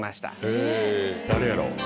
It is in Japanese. へぇ誰やろ？